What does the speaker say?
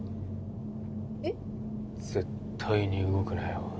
えっ？絶対に動くなよ